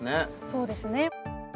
そうですね。